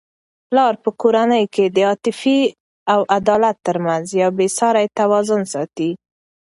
پلار په کورنی کي د عاطفې او عدالت ترمنځ یو بې سارې توازن ساتي.